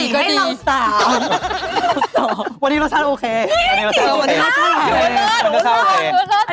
กระดูกครับ